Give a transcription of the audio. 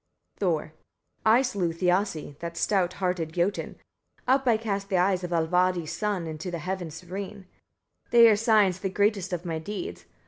Thor. 19. I slew Thiassi, that stout hearted Jotun: up I cast the eyes of Allvaldi's son into the heaven serene: they are signs the greatest of my deeds.